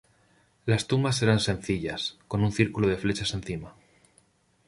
Las tumbas eran sencillas, con un círculo de flechas encima.